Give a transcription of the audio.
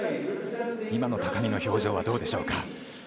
今の高木の表情はどうでしょうか。